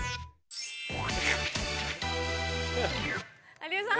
有吉さん